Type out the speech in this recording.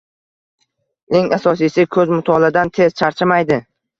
Eng asosiysi ko‘z mutolaadan tez charchamaydi.